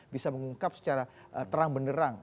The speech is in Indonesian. bisa mengungkap secara terang benerang